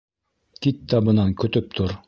— Кит тә бынан, көтөп тор.